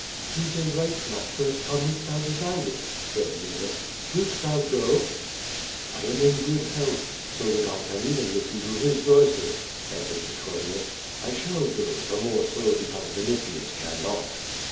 "Caesar writes, master, ^Come if thou desirest,' said Eunice. Wilt thou go?" "I am in good health, so that I can even listen to his verses," answered Petronius. "I shall go, the more so because Vinitius cannot."